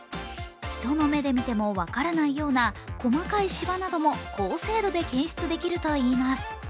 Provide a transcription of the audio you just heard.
人の目で見ても分からないような細かいシワなども高精度で検出できるといいます。